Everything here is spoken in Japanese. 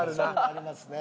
ありますね。